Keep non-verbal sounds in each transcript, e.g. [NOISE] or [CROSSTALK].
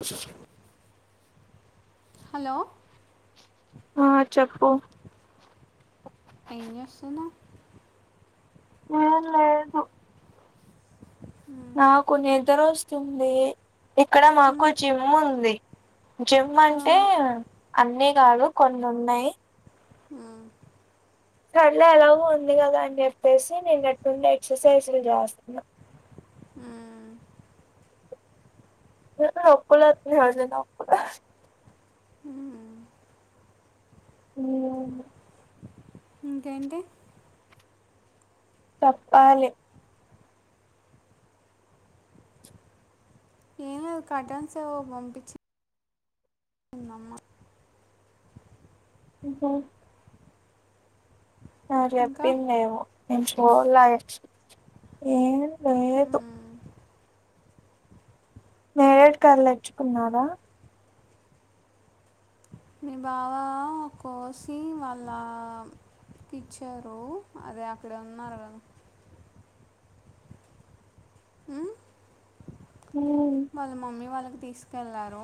అ hello ఆ చెప్పు ఏం చేస్తున్నావ్ ఏం లేదు మ్ నాకు నిద్ర వస్తుంది, ఇక్కడ మాకు జిమ్ ఉంది. జిమ్ అంటే అన్నీ కాదు కొన్ని ఉన్నాయి మ్ సర్లే ఎలాగో ఉంది కదా అని చెప్పేసి నేను నిన్నట్నుండీ ఎక్ససైజ్లు చేస్తున్న మ్ నిన్న ఒక్కక్ల హసనిత ఒక్కాకుల మ్ ఇంకేంటి. తప్పాలి. ఏమో కటన్స్ అవి పంపించి. ఉ నమ్మ. ఓ. ఇంకా చెప్పిందేమో నేను చూడలే ఏం లేదు. మ్మ్. నేరేడు కారులు ఎచ్చుకున్నారా. మీ బావా కోసి వాళ్ళ. ఇచ్చారు అదే అక్కడే ఉన్నారు కదా. హ. హ వాళ్ళ మమ్మీ వాళ్ళకి తీసుకెళ్ళారు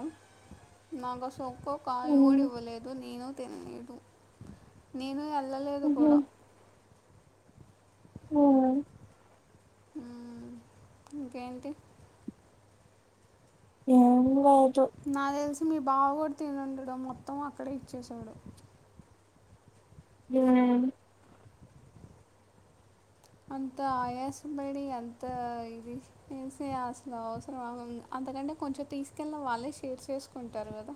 నాకు సోక్క. కాయ కూడా మ్మ్ ఇవ్వలేదు నేను తినలేదు నేను వెళ్ళలేదు కూడా. ఉ మ్మ్. ఇంకేంటి. ఏం లేదు. నాకు తెలిసి మీ బావ కూడా తినుండడు మొత్తం అక్కడే ఇచ్చసాడు. హ. అంత ఆయసబడి అంత ఇది. ఏస అసలు అవసరం అంతకంటే కొంచెం తీసుకెళ్ళిన వాళ్ళే షేర్ చేసుకుంటారు కదా.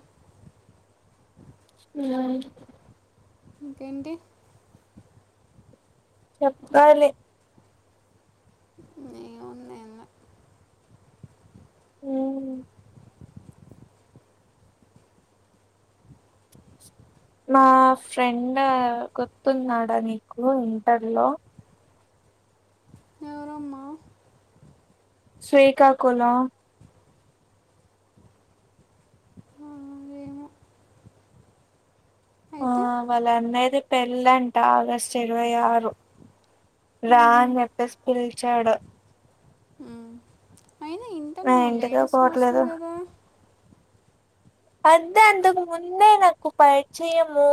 ఉ. ఇంకేంటి. చెప్పాలి. ఏముంది ఏంలే. అ. నా ఫ్రెండ్ గుర్తున్నాడా నీకు ఇంటర్లో. ఎవరమ్మా. శ్రీకాకుళం. ఆ, ఏమో ఆ అయితే. వాళ్ళ అన్నయ్యది పెళ్ళంట ఆగస్టు ఇరవై ఆరు. రా మ్హూ. అని చెప్పేసి పిలిచాడు. మ్. అయినా ఇంటర్ నా నువ్వు ఇంటికే లేడీస్ హాస్టల్ పోవట్లేదు కదా. అద్దే అందుకు ముందే నాకు పరిచయము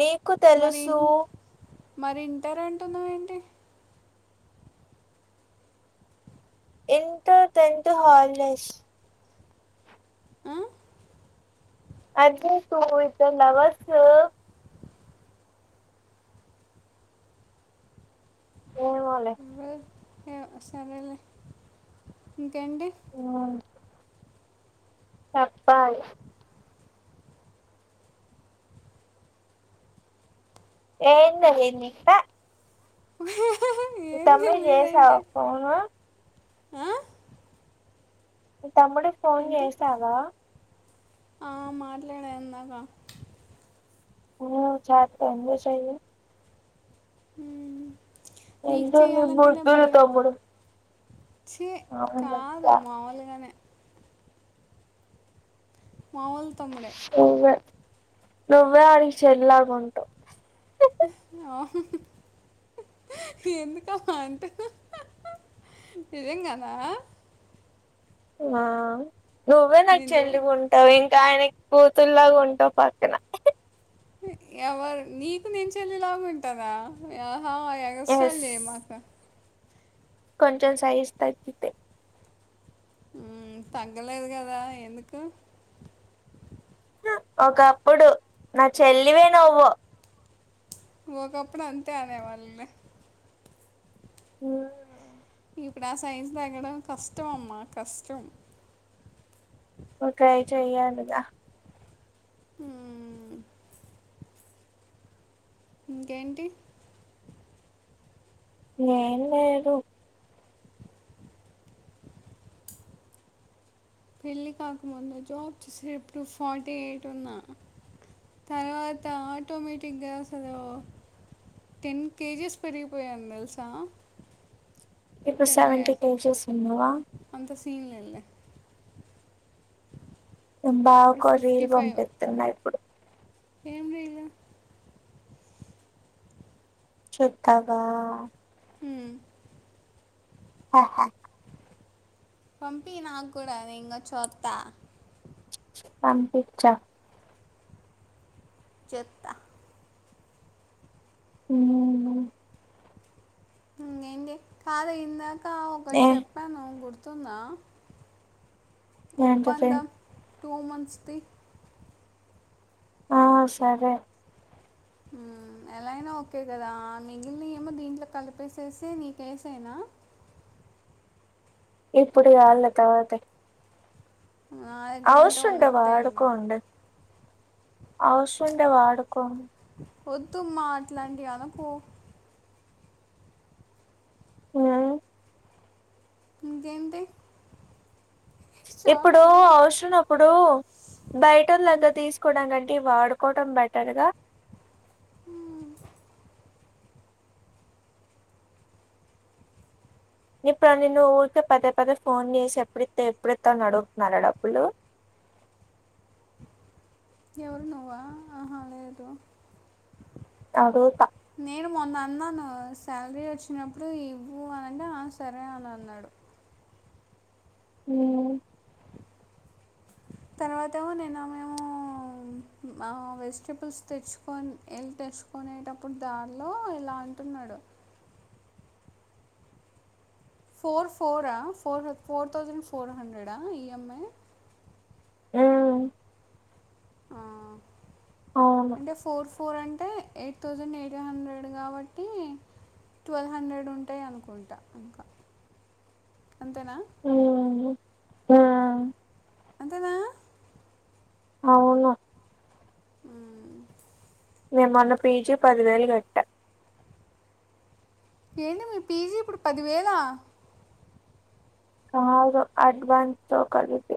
నీకు మరి తెలుసు. ఇన్- మరి ఇంటారు అంటున్నావ ఏంటి. Inter tenth holidays. ఆ? అది టు వి ట్వల్ అవర్స్. ఏమోలే. వేయ్. సరేలే ఇంకేంటి. చెప్పాల్. ఏం తెలీదు నీకు ప్. మీ ఏం తమ్మి చేసావా తెలియదేంటి ఫోను. ఆ? మి తమ్ముడి ఫోన్ ఏంటి చేసావా. ఆ మాట్లాడా ఇందాక. నువ్వు చాట్ ఎందుకు చెయ్యవు. మ్మ్. నీకు ఎంతో నీ చేయాలాంటేనే బుద్ధులు భయం తమ్ముడు చి అవునులెక్క కాదు మాముూలుగానే మాముూలు తమ్ముడే నువ్వే నువ్వే వాడికి చెల్లిలాగుంటావ్ ఆహా హా ఎందుకమ్మా అంత నిజంగాన ఆ నువ్వే నేను చూ- చెల్లిగా ఉంటావు ఇంకా ఆయనకి కూతుల్లాగా ఉంటావు పక్కన ఎవరు నీకు నేను చెల్లిలాగా ఉంటానా ఆహా ఎగస్ట్రాలు ఎస్ చేయమాకు కొంచెం సైజు తగ్గితే ఉ తగ్గలేదు కదా ఎందుకు ఒకప్పుడు నా చెల్లివే నువ్వు ఒకప్పుడు అంతే అనేవాళ్ళులే ఉ ఇక్కడ ఆ సైజ్ తేగ్గడం కష్టం అమ్మా కష్టం నువ్వు ట్రై చేయాలిగా ఊ ఇంకేంటి ఎంలేదు పెళ్ళి కాకముందు జాబ్ చేసే అప్పుడు ఫార్టీ ఎయిట్ ఉన్నా తర్వాత ఆటోమేటిక్గా అసలు టెన్ కేజీస్ పెరిగిపోయాను తెలుసా ఇప్పుడు సెవెంటీ పెళ్ళయ్యాక కేజెస్ ఉన్నావా అంత సిన్ లేదులే మా ఇప్పుడు బావకు ఒక రిల్ ఫిఫ్టీ ఫైవ్ పంపితున్నాయి, ఏం రిల్ చుతావా ఉ ఆహా పంపియి నాకు కూడా నేను కూడా చూతా పంపిచ్చ చెప్తా ఉ ఇంగెంగే కాదె ఇందాక ఏ కొచెప్ ప్పందం గుర్తుందా ఏంటది ఒప్పందం ట్యూవల్ మంత్స్ త్రీ ఆ సరే ఉ ఎలా అయినా ఓకే కదా మిగిలిన ఏమో దీంట్లో కలిపేసేసి నీకేసేనా ఇప్పుడు కాదులే తర్వాత ఆ ఔష్ ఉంటది ఆడుకోండి, ఔష్ ఉంటది ఆడుకోండి వద్దుమ్మా అట్లాంటివి అనకూ ఉ ఇదేంటి ఇప్పుడు అవసరం ఇప్పుడు బయటవోలు దగ్గర తీసుకోవడానికంటే ఇవి వాడుకోవడం బెటర్గా హు ఇప్పుడు నిన్ను ఊరికే పదే పదే ఫోన్ చేసి ఎప్పుడైతే ఎప్పు [UNINTELLIGIBLE] అని అడుగుతున్నారా డబ్బులు ఎవరు నువ్వా ఆహ లేదు అడుగుత నేను మొన్న అన్నాను శాలరీ వచ్చినప్పుడు ఇవ్వు అని అంటే సరే అని అన్నాడు ఉ తర్వాత నేను మా వెజిటేబుల్స్ తెచ్చుకొని ఎళ్ళు తెచ్చుకునేటప్పుడు దానిలో ఇల టున్నాడు ఫోర్ ఫోరా ఫోర్ ఫోర్ తౌసండ్ ఫోర్ హండ్రెడా ఈఎంఐ ఉ అవును అంటే ఫోర్ ఫూర్ అంటే ఎయిట్ థౌజండ్ ఎయిట్ హండ్రెడ్ కాబట్టి ట్వెల్వ్ హండ్రెడ్ ఉంటాయి అనుకుంటా ఇంకా అంతేన ఉమ్ ఉమ్ అంతేన అవున హు నే మ్మొన్న పీజీ పదివేలు కట్ట ఏంటి మీ పీజీ ఇప్పుడు పదివేల కాదు అడ్వాన్స్ తో కలిపి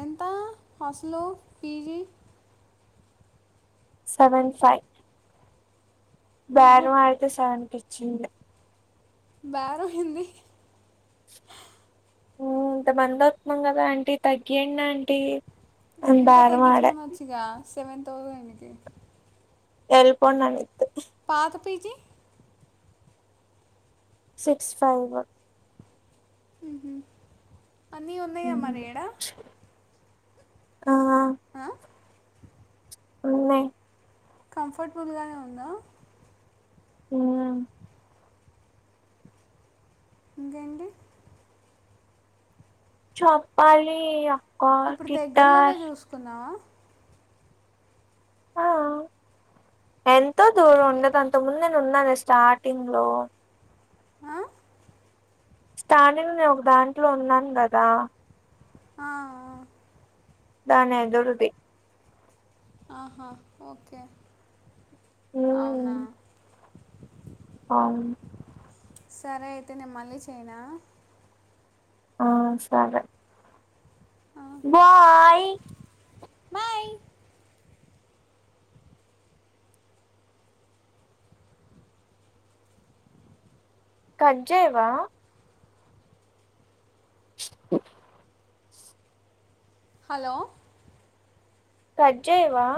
ఎంత [UNINTELLIGIBLE] పీజీ సెవెన్ ఫైవ్ బ్యారం ఆడితే సెవెన్ కి ఇచ్చింది బ్యారం ఏంది ఇంత మంది [UNINTELLIGIBLE] కదా అంటీ తగ్గిండి అంటీ ఇంకా తగ్గించమని వచ్చ ఇగ సెవెన్ థౌసండ్కి ఎల్పోండి అన్నిధి పాత పిజి సిక్స్ ఫైవ్ ఉహు ఆ హా [UNINTELLIGIBLE] కంఫర్టుబుల్గానే ఉంద ఉ ఇంకేండి చెప్పాలి ఇగ ఇప్పుడు దగ్గరలోనే చూసుకున్న ఆ ఎంతో దూరం ఓకే ఉండేది అంతకు ముందు నేను ఉన్నాను స్టార్టింగ్ లో హా స్టార్డింగ్ లో ఒక దాంట్లో ఉన్నాను కదా ఆ దాని ఎదురుది ఆహా ఒకే ఉమ్. అవునా అవును. సరే అయితే, నేను మళ్ళీ సెయనా? ఆ, సరే. బాయ్ బాయ్ కట్జేయవా? ఓ హలో కట్ చేయవా?